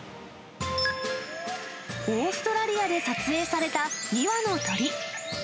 オーストラリアで撮影された２羽の鳥。